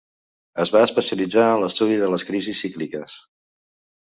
Es va especialitzar en l'estudi de les crisis cícliques.